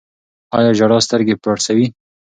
آیا ژړا سترګې پړسوي؟